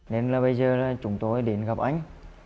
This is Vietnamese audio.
nên là bây giờ chúng tôi đến gặp anh